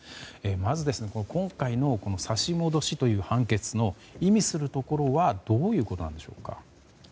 まず今回の差し戻しという判決の意味するところはどういうことなんでしょうか？